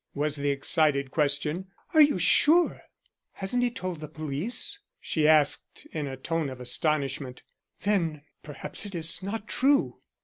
was the excited question. "Are you sure?" "Hasn't he told the police?" she asked in a tone of astonishment. "Then perhaps it is not true."